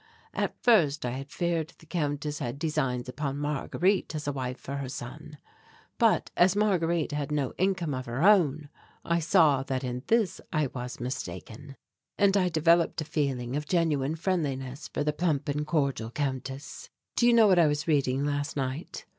At first I had feared the Countess had designs upon Marguerite as a wife for her son, but as Marguerite had no income of her own I saw that in this I was mistaken, and I developed a feeling of genuine friendliness for the plump and cordial Countess. "Do you know what I was reading last night?"